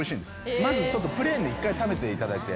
まずプレーンで一回食べていただいて。